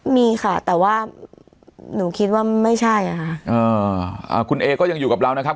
มีค่ะแต่ว่าหนูคิดว่าไม่ใช่อ่ะค่ะอ่าคุณเอก็ยังอยู่กับเรานะครับ